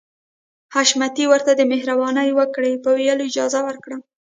حشمتي ورته د مهرباني وکړئ په ويلو اجازه ورکړه.